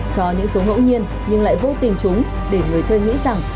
cho những số ngẫu nhiên nhưng lại vô tình chúng để người chơi nghĩ rằng